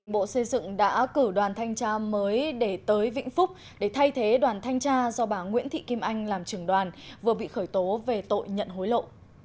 bộ xây dựng đã cử đoàn thanh tra mới để tới vĩnh phúc để thay thế đoàn thanh tra do bà nguyễn thị kim anh làm trưởng đoàn vừa bị khởi tố về tội nhận hối lộ